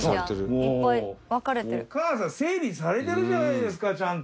お母さん整理されてるじゃないですかちゃんと。